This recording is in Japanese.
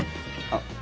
あっ。